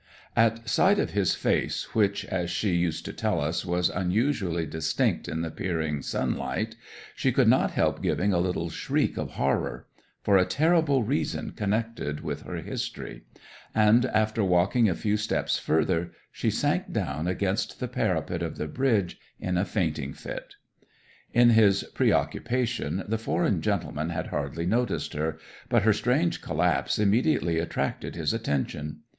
'At sight of his face, which, as she used to tell us, was unusually distinct in the peering sunlight, she could not help giving a little shriek of horror, for a terrible reason connected with her history, and after walking a few steps further, she sank down against the parapet of the bridge in a fainting fit. 'In his preoccupation the foreign gentleman had hardly noticed her, but her strange collapse immediately attracted his attention.